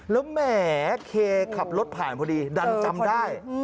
แล้วแหมเคขับรถผ่านพอดีดันจำได้